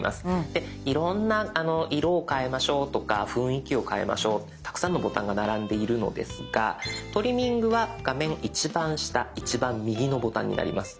でいろんな色を変えましょうとか雰囲気を変えましょうたくさんのボタンが並んでいるのですがトリミングは画面一番下一番右のボタンになります。